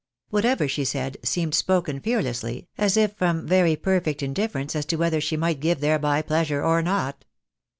Whatever she said, seemed spoken fearlessly, as if from very perfect indifference as to whether she might give thereby pleasure or not.